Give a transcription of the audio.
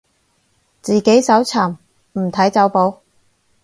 自己搜尋，唔睇走寶